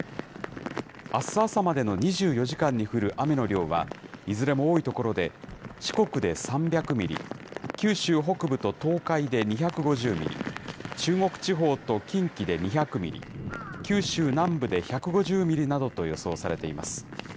あす朝までの２４時間に降る雨の量は、いずれも多い所で四国で３００ミリ、九州北部と東海で２５０ミリ、中国地方と近畿で２００ミリ、九州南部で１５０ミリなどと予想されています。